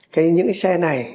cái những cái xe này